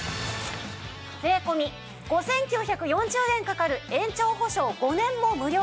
税込５９４０円かかる延長保証５年も無料。